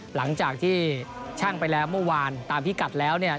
หลังจากที่ชั่งไปแล้วเมื่อวานตามพิกัดแล้วเนี่ย